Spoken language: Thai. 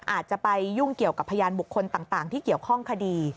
อาจจะไปยุ่งเกี่ยวกับพยานบุคคลต่างที่เกี่ยวข้องคดี